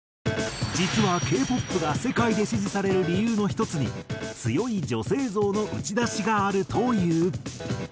実はＫ−ＰＯＰが世界で支持される理由の１つに強い女性像の打ち出しがあるという。